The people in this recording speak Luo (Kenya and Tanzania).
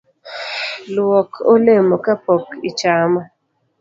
Luok olemo kapok ichamo